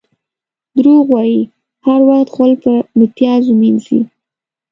دروغ وایي؛ هر وخت غول په میتیازو مینځي.